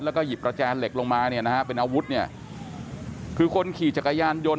แล้วก็หยิบกระแจเหล็กลงมาเนี่ยนะฮะเป็นอาวุธเนี่ยคือคนขี่จักรยานยนต